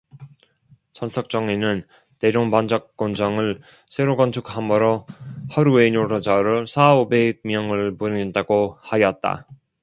천석정에는 대동방적공장을 새로 건축하므로 하루에 노동자를 사오백 명을 부린다고 하였다.